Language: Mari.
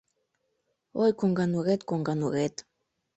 Ой, Коҥганурет, Коҥганурет